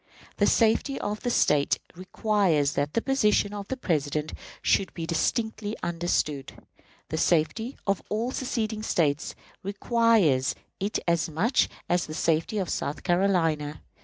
The safety of the State requires that the position of the President should be distinctly understood. The safety of all seceding States requires it as much as the safety of South Carolina.